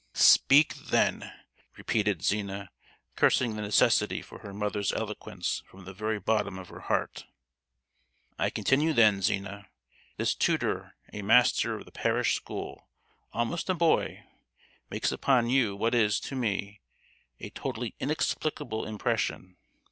"Speak, then!" repeated Zina, cursing the necessity for her mother's eloquence from the very bottom of her heart. "I continue then, Zina!——This tutor, a master of the parish school, almost a boy, makes upon you what is, to me, a totally inexplicable impression.